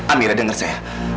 amira dengar saya